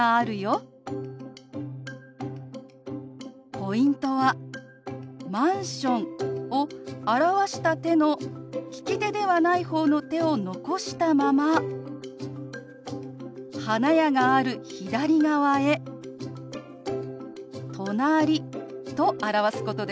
ポイントはマンションを表した手の利き手ではない方の手を残したまま花屋がある左側へ「隣」と表すことです。